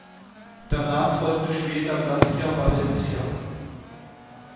Danach folgte später Saskia Valencia.